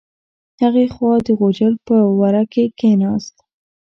هغې خوا د غوجل په وره کې کیناست.